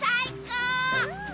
うん！